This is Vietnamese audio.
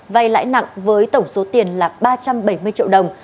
vay lãi nặng với tổng số tiền là ba trăm bảy mươi triệu đồng